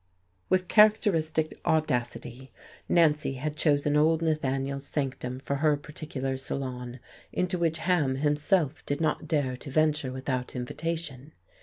With characteristic audacity Nancy had chosen old Nathaniel's sanctum for her particular salon, into which Ham himself did not dare to venture without invitation.